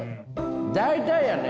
大体やね！